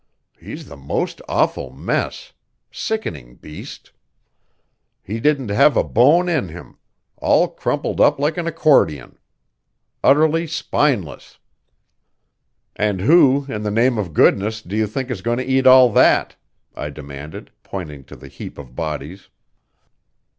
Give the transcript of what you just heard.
He's the most awful mess sickening beast. He didn't have a bone in him all crumpled up like an accordion. Utterly spineless." "And who, in the name of goodness, do you think is going to eat all that?" I demanded, pointing to the heap of bodies.